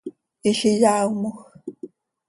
Hizi yaaomoj.